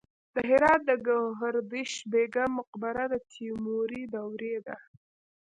د هرات د ګوهردش بیګم مقبره د تیموري دورې ده